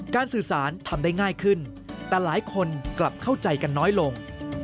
สื่อสารทำได้ง่ายขึ้นแต่หลายคนกลับเข้าใจกันน้อยลง